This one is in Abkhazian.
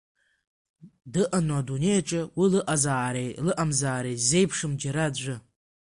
Дыҟану адунеи аҿы уи лыҟазаареи лыҟамзаареи ззеиԥшым џьара аӡәы?